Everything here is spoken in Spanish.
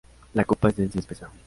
La copa es densa y espesa.